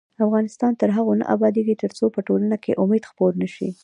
افغانستان تر هغو نه ابادیږي، ترڅو په ټولنه کې امید خپور نشي.